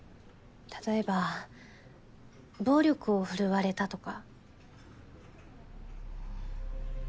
例えば暴力を振るわれたとか。